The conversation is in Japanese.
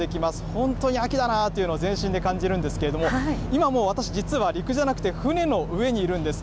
本当に秋だなというのを全身で感じるんですけれども、今もう私、実は、陸じゃなくて船の上にいるんです。